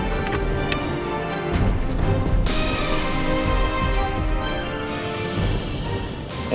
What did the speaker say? kejadian yang lebih baik